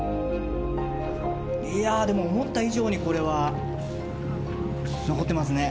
いやでも思った以上にこれは残ってますね。